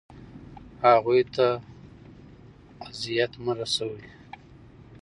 هغوی ته اذیت مه رسوئ.